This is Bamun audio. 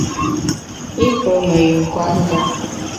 I pe me yin kwet njap.